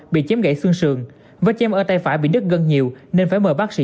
bị chém gãy xương sườn vết chém ở tay phải bị đứt gân nhiều nên phải mời bác sĩ